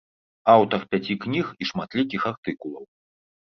Аўтар пяці кніг і шматлікіх артыкулаў.